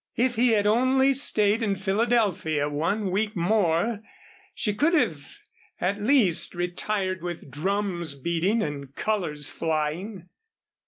If he had only stayed in Philadelphia one week more, she could at least have retired with drums beating and colors flying.